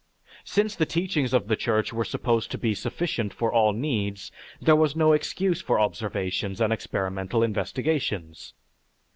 Since the teachings of the Church were supposed to be sufficient for all needs, there was no excuse for observations and experimental investigations.